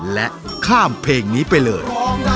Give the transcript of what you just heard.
และข้ามเพลงนี้ไปเลย